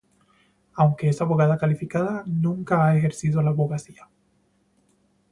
Aunque es abogada calificada, nunca ha ejercido la abogacía.